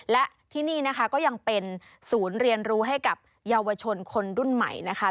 และที่นี่นะคะก็ยังเป็นศูนย์เรียนรู้ให้กับเยาวชนคนรุ่นใหม่นะคะ